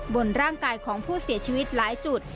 บนร่างกายของผู้เสียชีวิตหลายจุด